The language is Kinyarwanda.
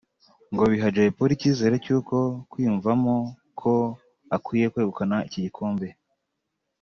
ngo biha Jay Polly icyizere cyo kwiyumvamo ko akwiye kwegukana iki gikombe